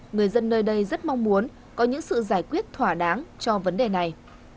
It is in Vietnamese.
người dân nơi đây rất mong muốn có những sự giải quyết thỏa đáng cho vấn đề này